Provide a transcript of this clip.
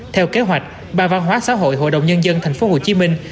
theo kế hoạch ba văn hóa xã hội hội đồng nhân dân thành phố hồ chí minh